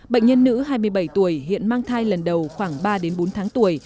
bệnh nhân nữ hai mươi bảy tuổi hiện mang thai lần đầu khoảng ba đến bốn tháng tuổi